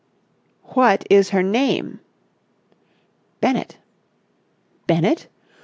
"What is her name?" "Bennett." "Bennett?